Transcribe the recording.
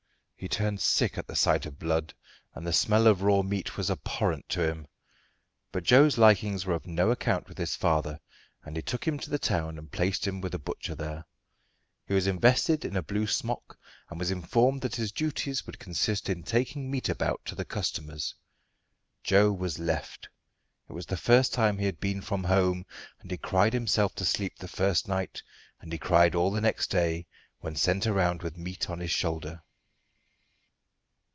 He turned sick at the sight of blood, and the smell of raw meat was abhorrent to him. But Joe's likings were of no account with his father, and he took him to the town and placed him with a butcher there. He was invested in a blue smock, and was informed that his duties would consist in taking meat about to the customers. Joe was left. It was the first time he had been from home, and he cried himself to sleep the first night, and he cried all the next day when sent around with meat on his shoulder.